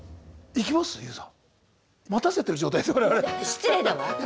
失礼だわ！